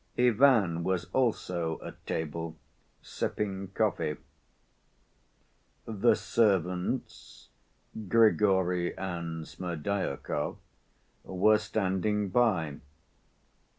Ivan was also at table, sipping coffee. The servants, Grigory and Smerdyakov, were standing by.